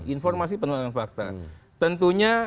informasi penuh dengan fakta tentunya